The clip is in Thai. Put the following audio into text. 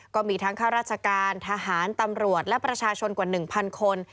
ก็มีทั้งข้าราชการทหารตำรวจและประชาชนกว่า๑๐๐คน